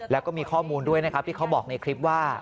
แล้วก็มีข้อมูลด้วยนะครับที่เขาบอกในคลิปว่า